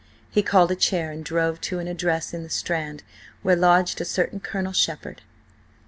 He called a chair, and drove to an address in the Strand, where lodged a certain Colonel Shepherd.